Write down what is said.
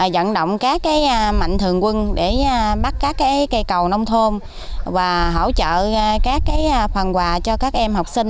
dẫn động các mạnh thường quân để bắt các cây cầu nông thôn và hỗ trợ các phần quà cho các em học sinh